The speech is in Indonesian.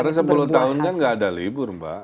karena sepuluh tahunnya gak ada libur mbak